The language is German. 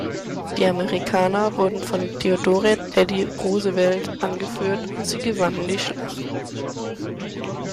Die Amerikaner wurden von Theodore „Teddy“ Roosevelt angeführt und sie gewannen die Schlacht.